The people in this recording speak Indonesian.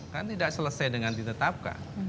kan tidak selesai dengan ditetapkan